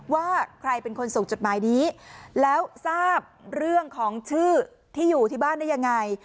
ว่าใครเป็นคนส่งจดหมายนี้แล้วทราบเรื่องของชื่อที่อยู่ที่บ้านได้ยังไง